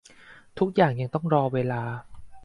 ทุกอย่างยังต้องรอเวลา